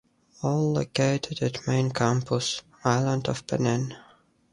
All located at main campus, island of Penang.